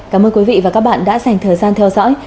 cảm ơn quý vị và các bạn đã dành thời gian theo dõi